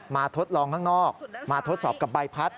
ทดลองข้างนอกมาทดสอบกับใบพัด